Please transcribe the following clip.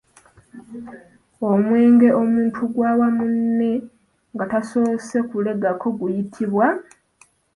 Omwenge omuntu gw'awa munne nga tasoose kulegako guyitibwa?